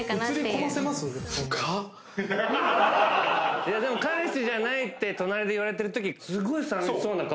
そんなでも彼氏じゃないって隣で言われてる時すごい寂しそうな顔・